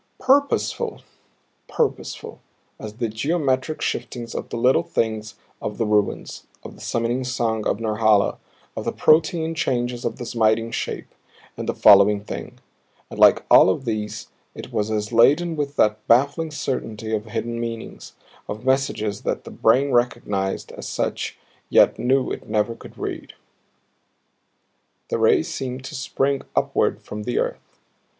PURPOSEFUL; purposeful as the geometric shiftings of the Little Things of the ruins, of the summoning song of Norhala, of the Protean changes of the Smiting Shape and the Following Thing; and like all of these it was as laden with that baffling certainty of hidden meanings, of messages that the brain recognized as such yet knew it never could read. The rays seemed to spring upward from the earth.